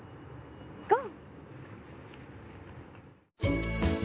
ゴー！